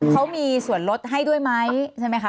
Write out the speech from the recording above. เขามีส่วนลดให้ด้วยไหมใช่ไหมคะ